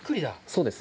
そうです。